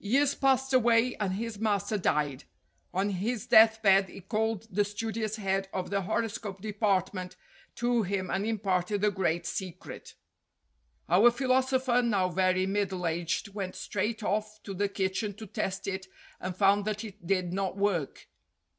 Years passed away and his master died. On his death bed he called the studious head of the horoscope department to him and imparted the great secret. Our philosopher, now very middle aged, went straight off to the kitchen to test it and found that it did not work.